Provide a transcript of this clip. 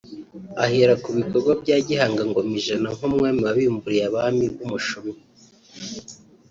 ahera ku bikorwa bya Gihanga Ngomijana nk’umwami wabimburiye abami b’umushumi